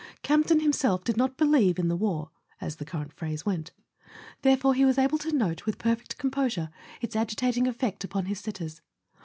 Campton himself did not "believe in the war" (as the current phrase went); therefore he was able to note A SON AT THE FRONT with perfect composure its agitating effect upon his sitters.